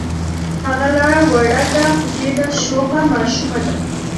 هغه لا وړه ده خو ډېره شوخه ماشومه ده.